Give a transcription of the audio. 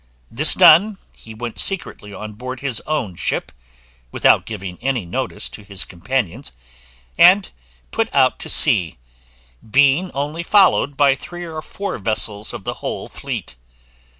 This done, he went secretly on board his own ship, without giving any notice to his companions, and put out to sea, being only followed by three or four vessels of the whole fleet.